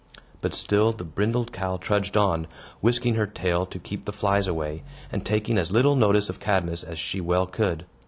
But still the brindled cow trudged on, whisking her tail to keep the flies away, and taking as little notice of Cadmus as she well could.